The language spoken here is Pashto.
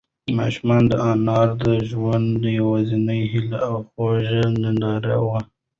ماشوم د انا د ژوند یوازینۍ هيله او خوږه ننداره وه.